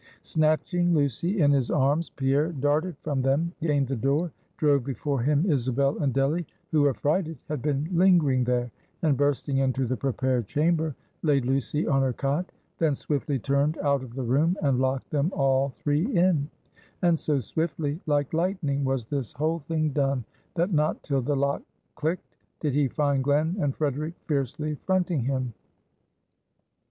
Snatching Lucy in his arms, Pierre darted from them; gained the door; drove before him Isabel and Delly, who, affrighted, had been lingering there; and bursting into the prepared chamber, laid Lucy on her cot; then swiftly turned out of the room, and locked them all three in: and so swiftly like lightning was this whole thing done, that not till the lock clicked, did he find Glen and Frederic fiercely fronting him.